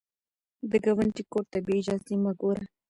د ګاونډي کور ته بې اجازې مه ګوره